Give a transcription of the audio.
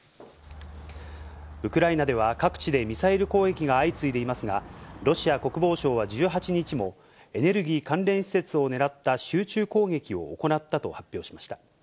ウクライナでは、各地でミサイル攻撃が相次いでいますが、ロシア国防省は１８日も、エネルギー関連施設を狙った集中攻撃を行ったと発表しました。